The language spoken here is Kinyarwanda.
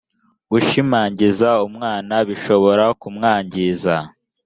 gushimagiza umwana bishobora kumwangiza